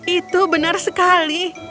itu benar sekali